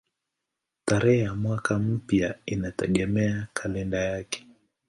Tarehe ya mwaka mpya inategemea kalenda yake.